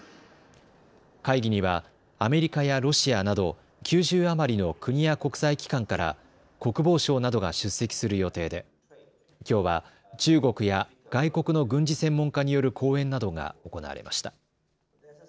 会議にはアメリカやロシアなど９０余りの国や国際機関から国防相などが出席する予定できょうは中国や外国の軍事専門家による講演などが行われました。